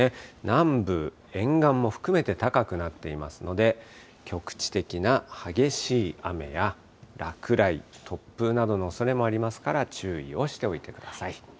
南部、沿岸も含めて高くなっていますので、局地的な激しい雨や落雷、突風などのおそれもありますから、注意をしておいてください。